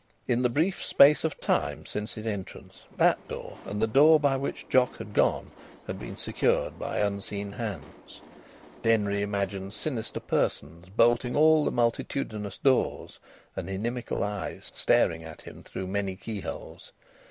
In the brief space of time since his entrance, that door, and the door by which Jock had gone, had been secured by unseen hands. Denry imagined sinister persons bolting all the multitudinous doors, and inimical eyes staring at him through many keyholes.